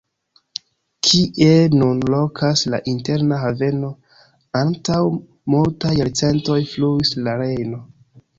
Kie nun lokas la Interna Haveno, antaŭ multaj jarcentoj fluis la Rejno.